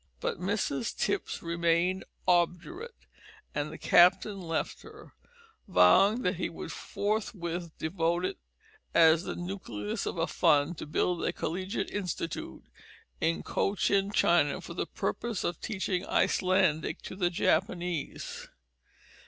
But Mrs Tipps remained obdurate, and the captain left her, vowing that he would forthwith devote it as the nucleus of a fund to build a collegiate institute in Cochin China for the purpose of teaching Icelandic to the Japanese.